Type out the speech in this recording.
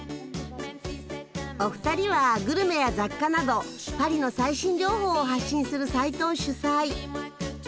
お二人はグルメや雑貨などパリの最新情報を発信するサイトを主催。